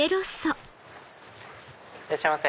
いらっしゃいませ。